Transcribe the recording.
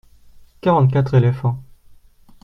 Quarante-quatre éléphants.